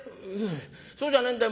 「そうじゃねえんだよ。